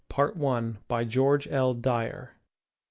By George L. Dyer.